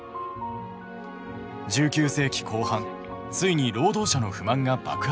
１９世紀後半ついに労働者の不満が爆発します。